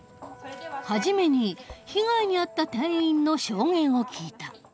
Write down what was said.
初めに被害に遭った店員の証言を聞いた。